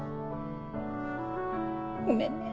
ごめんね。